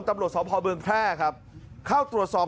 ตำรวจสอบพเมืองแพร่ครับ